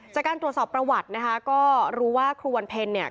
จากการตรวจสอบประวัตินะคะก็รู้ว่าครูวันเพ็ญเนี่ย